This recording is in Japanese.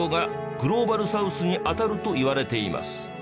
グローバスサウスにあたるといわれています